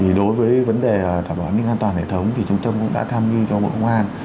vì đối với vấn đề bảo mật an ninh an toàn hệ thống thì trung tâm cũng đã tham dự cho bộ ngoan